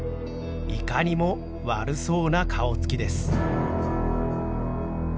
いかにも悪そうな顔つきです。